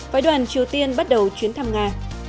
phái đoàn triều tiên bắt đầu chuyến thăm nga